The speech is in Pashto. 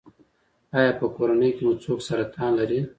ایا په کورنۍ کې مو څوک سرطان لري؟